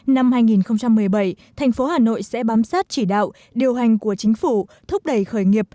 năm hai nghìn một mươi bảy tp hcm sẽ bám sát chỉ đạo điều hành của chính phủ thúc đẩy khởi nghiệp